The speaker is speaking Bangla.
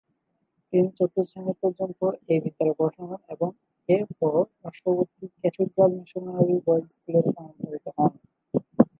তিনি চতুর্থ শ্রেণি পর্যন্ত এই বিদ্যালয়ে পড়াশোনা করেন এবং এরপর পার্শ্ববর্তী ক্যাথিড্রাল মিশনারি বয়েজ স্কুলে স্থানান্তরিত হন।